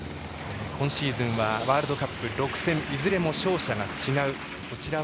今シーズンはワールドカップ６戦いずれも勝者が違う。